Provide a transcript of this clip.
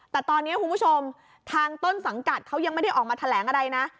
แต่ตอนนี้คุณผู้ชมทางต้นสังกัดเขายังไม่ได้ออกมาแถลงอะไรนะ